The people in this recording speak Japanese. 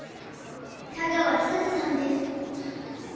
田川尚登さんです。